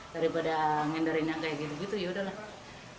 daripada ngendarin yang kayak gitu gitu yaudah lah